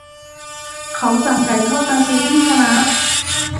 เขาสั่งไก่ทอดมากินที่คณะ